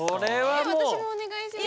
え私もお願いします。